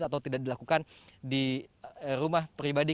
atau tidak dilakukan di rumah pribadi